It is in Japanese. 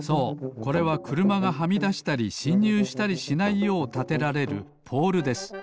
これはくるまがはみだしたりしんにゅうしたりしないようたてられるポールです。